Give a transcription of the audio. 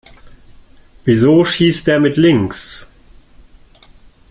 Wieso schießt der mit links?